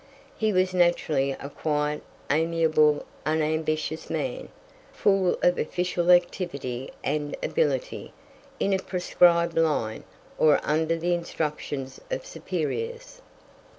He was naturally a quiet, amiable, unambitious man, full of official activity and ability, in a prescribed line, or under the instructions of superiors.